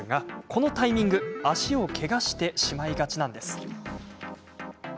このタイミング足をけがしてしまいがちなんです。